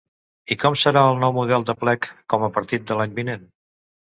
I com serà el nou model d’aplec coma a partir de l’any vinent?